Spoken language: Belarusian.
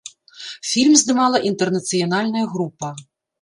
Фільм здымала інтэрнацыянальная група.